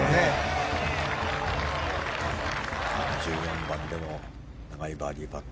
１４番での長いバーディーパット。